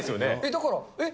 だから、えっ？